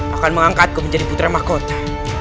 akan mengangkatku menjadi putra mahkota